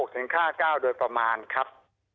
ถึง๕๙โดยประมาณครับ